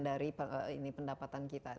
dari pendapatan kita